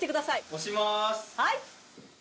押します。